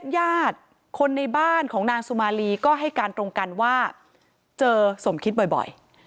ญาติคนในบ้านของนางสุมาลีก็ให้การตรงกันว่าเจอสมคิดบ่อย